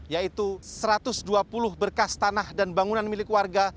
yaitu satu ratus dua puluh berkas tanah dan bangunan milik warga